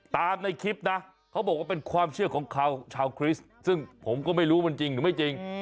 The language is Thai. ในคลิปนะเขาบอกว่าเป็นความเชื่อของชาวคริสต์ซึ่งผมก็ไม่รู้มันจริงหรือไม่จริง